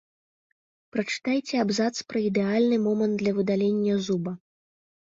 Перачытайце абзац пра ідэальны момант для выдалення зуба.